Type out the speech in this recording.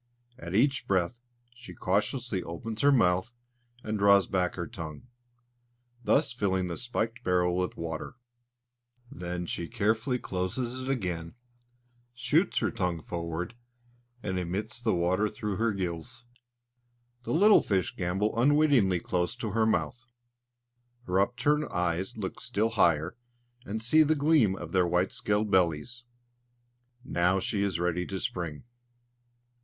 At each breath she cautiously opens her mouth and draws back her tongue, thus filling the spiked barrel with water; then she carefully closes it again, shoots her tongue forward, and emits the water through her gills. The little fish gambol unwittingly close to her mouth. Her upturned eyes look still higher, and see the gleam of their white scaled bellies. Now she is ready to spring.